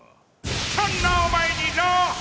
そんなお前に朗報！